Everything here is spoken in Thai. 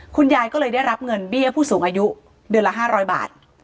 คุณยายก็เลยได้รับเงินเบี้ยผู้สูงอายุเดือนละ๕๐๐บาท